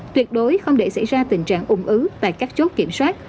tuyệt đối không để xảy ra tình trạng ung ứ tại các chốt kiểm soát